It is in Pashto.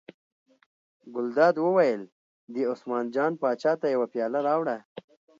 ګلداد وویل: دې عثمان جان پاچا ته یوه پیاله راوړه.